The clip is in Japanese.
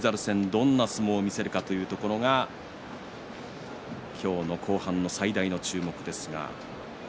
どんな相撲を見せるかというところが後半の最大の注目です。